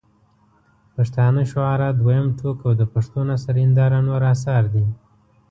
پښتانه شعراء دویم ټوک او د پښټو نثر هنداره نور اثار دي.